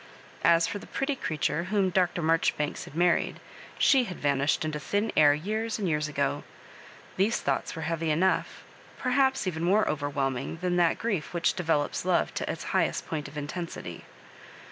As for the pretty creature whom Dr. Marjoribanks had married, she had vanished into thin air years and years ago These thoughts were heavy enough — perhap6 even morejoverwhelming than that grief which develops love to its highest point of intensity.